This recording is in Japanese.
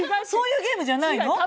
そういうゲームじゃないの？